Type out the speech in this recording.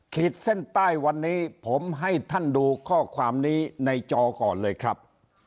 ขีดเส้นใต้วันนี้ผมให้ท่านดูข้อความนี้ในจอก่อนเลยครับ